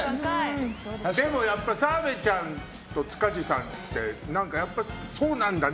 でも、やっぱり澤部ちゃん塚地さんって何かやっぱ、そうなんだね。